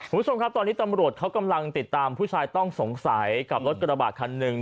คุณผู้ชมครับตอนนี้ตำรวจเขากำลังติดตามผู้ชายต้องสงสัยกับรถกระบาดคันหนึ่ง